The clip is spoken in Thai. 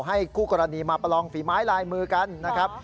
คู่กรณีมาประลองฝีไม้ลายมือกันนะครับ